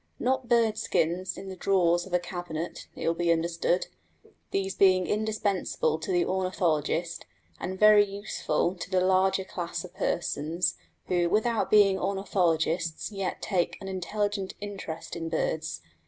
Not bird skins in the drawers of a cabinet, it will be understood, these being indispensable to the ornithologist, and very useful to the larger class of persons who without being ornithologists yet take an intelligent interest in birds.